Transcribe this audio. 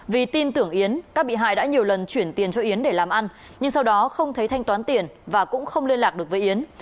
vì tin tưởng yến các bị hại đã nhiều lần chuyển tiền cho yến để làm ăn nhưng sau đó không thấy thanh toán tiền và cũng không liên lạc được với yến